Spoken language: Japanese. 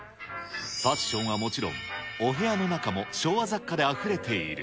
ファッションはもちろん、お部屋の中も昭和雑貨であふれている。